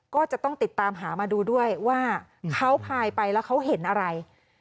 ก็จะต้องติดตามหามาดูด้วยว่าเขาพายไปแล้วเขาเห็นอะไร